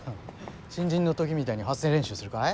新人の時みたいに発声練習するかい？